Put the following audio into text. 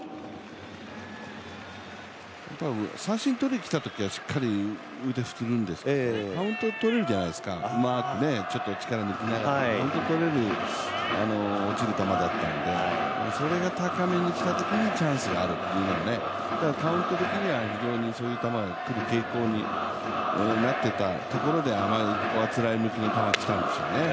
三振を取りにきたときはしっかり腕振るんですけど、カウントとれるじゃないですかマークしっかりしながらカウント取れる落ちる球だったんで、それが高めにきたときにチャンスがあるということでカウント的にはそういう球の傾向になってたところであのおあつらえ向きにあの球がきたんでしょうね。